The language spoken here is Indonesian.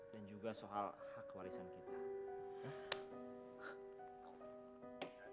dan juga soal hak warisan kita